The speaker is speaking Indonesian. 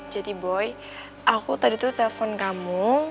jadi boy aku tadi tuh telfon kamu